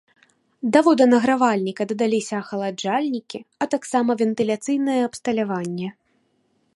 Да воданагравальніка дадаліся ахаладжальнікі, а таксама вентыляцыйнае абсталяванне.